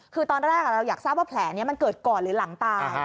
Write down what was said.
คือตอนแรกเราอยากทราบว่าแผลนี้มันเกิดก่อนหรือหลังตาย